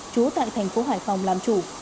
trú tại thành phố hải phòng làm chủ